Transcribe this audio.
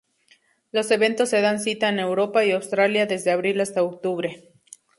Los eventos se dan cita en Europa y Australia desde abril hasta octubre.